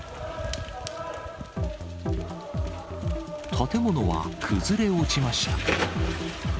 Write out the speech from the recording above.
建物は崩れ落ちました。